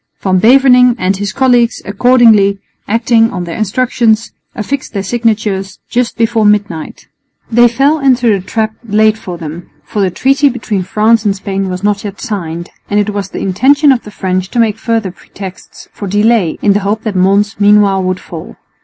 Van Beverningh and his colleagues accordingly, acting on their instructions, affixed their signatures just before midnight. They fell into the trap laid for them, for the treaty between France and Spain was not yet signed, and it was the intention of the French to make further pretexts for delay in the hope that Mons meanwhile would fall.